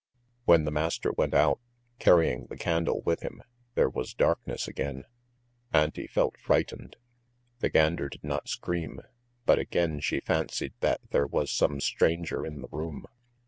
..." When the master went out, carrying the candle with him, there was darkness again. Auntie felt frightened. The gander did not scream, but again she fancied that there was some stranger in the room.